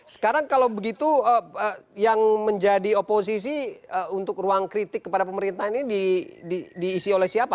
sekarang kalau begitu yang menjadi oposisi untuk ruang kritik kepada pemerintah ini diisi oleh siapa